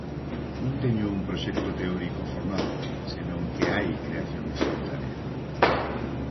Non teño un proxecto teórico formado, senón que hai creación espontánea.